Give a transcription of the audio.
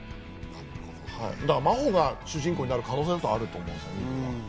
だから真帆が主人公になる可能性だってあると思うんです。